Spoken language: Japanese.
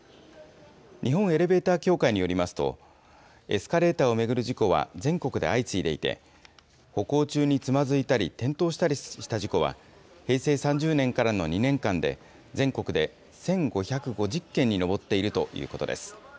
日本エレベーター協会によりますと、エスカレーターを巡る事故は全国で相次いでいて、歩行中につまずいたり、転倒したりした事故は、平成３０年からの２年間で全国で１５５０件に上っているということです。